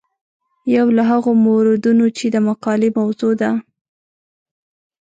یو له هغو موردونو چې د مقالې موضوع ده.